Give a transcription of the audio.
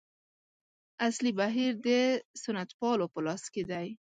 اصلي بهیر د سنتپالو په لاس کې دی.